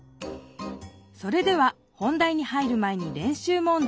それでは本題に入る前に練習問題です。